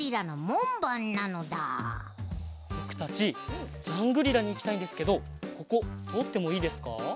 ぼくたちジャングリラにいきたいんですけどこことおってもいいですか？